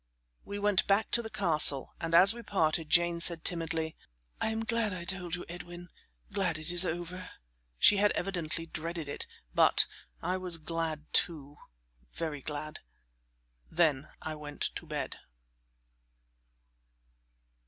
We went back to the castle, and as we parted Jane said timidly: "I am glad I told you, Edwin; glad it is over." She had evidently dreaded it; but I was glad, too; very glad. Then I went to bed.